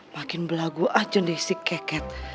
makin belagu aja deh si keket